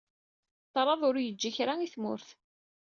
Ṭṭraḍ ur s-yeǧǧi kra i tmurt.